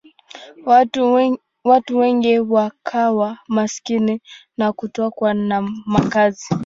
Watu wengi wakawa maskini na kutokuwa na makazi.